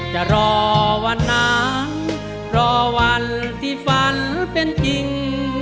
จะรอวันนั้นรอวันที่ฝันเป็นจริง